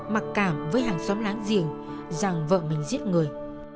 mặc cảm với hàng xóm láng giềng rằng vợ mình giết người